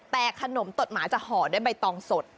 แต่ขนมตดหมาจะห่อด้วยใบตองสด